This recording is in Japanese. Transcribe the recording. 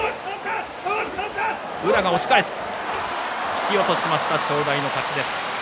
引き落としました正代の勝ちです。